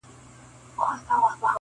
• بس کارونه وه د خدای حاکم د ښار سو,